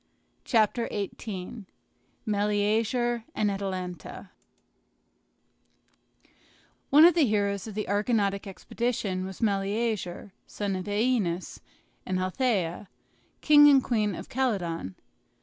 CHAPTER XVIII MELEAGER AND ATALANTA One of the heroes of the Argonautic expedition was Meleager, son of OEneus and Althea, king and queen of Calydon.